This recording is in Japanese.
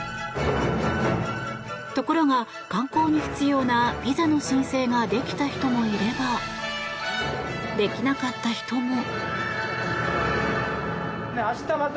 ところが、観光に必要なビザの申請ができた人もいればできなかった人も。